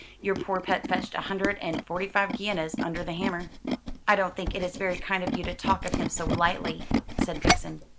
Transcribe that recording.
Your poor pet fetched a hundred and forty five guineas under the hammer." "I don't think it is very kind of you to talk of him so lightly," said Vixen.